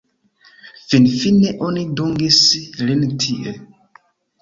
Finfine oni dungis lin tie.